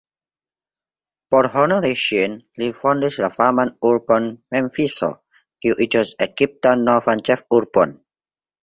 Por honori ŝin li fondis la faman urbon Memfiso, kiu iĝos Egiptan novan ĉefurbon.